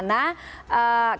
sampai ke sana